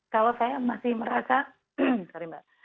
kalau saya masih merasa sorry mbak